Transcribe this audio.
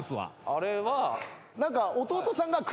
あれは。